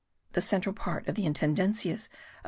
The central part of the Intendencias of : 1300.